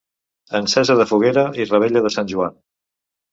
Encesa de foguera i revetlla de Sant Joan.